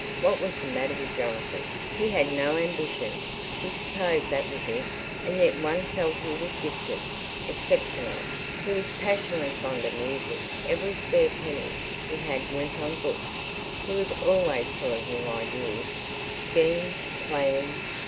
What was the matter with Jonathan? He had no ambition; she supposed that was it. And yet one felt he was gifted, exceptional. He was passionately fond of music; every spare penny he had went on books. He was always full of new ideas, schemes, plans.